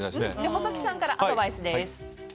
細木さんからアドバイスです。